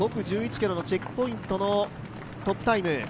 ５区１１ｋｍのチェックポイントのトップタイム。